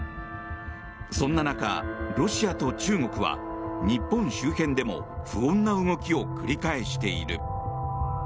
そんな中、ロシアと中国は日本周辺でも不穏な動きを繰り返している。